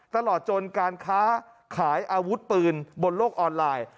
ตลอดจนการค้าขายอาวุธปืนบนโลกออนไลน์